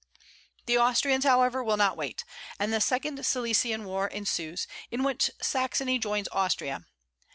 The Austrians however will not wait, and the second Silesian war ensues, in which Saxony joins Austria.